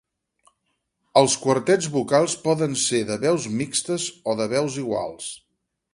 Els quartets vocals poden ser de veus mixtes o de veus iguals.